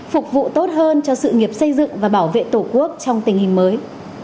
phục vụ tốt hơn cho sự nghiệp xây dựng và bảo vệ tổ quốc trong tình hình mới